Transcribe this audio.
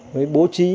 mới bố trí